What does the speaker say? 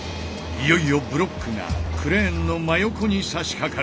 いよいよブロックがクレーンの真横にさしかかる。